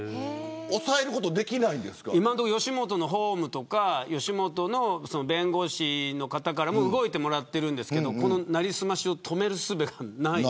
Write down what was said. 今のところ吉本の法務とか弁護士の方からも動いてもらっているんですけどこの成り済ましを止めるすべがない。